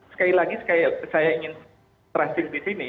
sekali lagi saya ingin terastikan disini